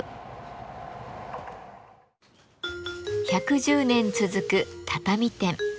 １１０年続く畳店。